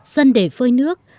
sân để phơi nước